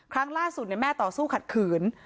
ครั้งล่าสุดแม่ต่อสู้ขัดขืน